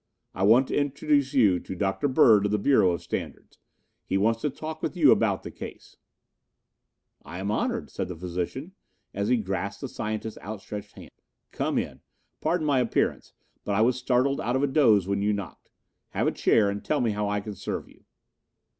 "I want to introduce you to Dr. Bird of the Bureau of Standards. He wants to talk with you about the case." "I am honored, Doctor," said the physician as he grasped the scientist's outstretched hand. "Come in. Pardon my appearance, but I was startled out of a doze when you knocked. Have a chair and tell me how I can serve you."